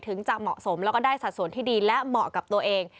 จะเหมาะสมแล้วก็ได้สัดส่วนที่ดีและเหมาะกับตัวเอง